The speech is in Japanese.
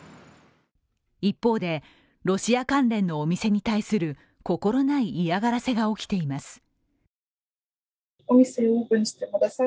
一方で、ロシア関連のお店に対する心ない嫌がらせが起きています。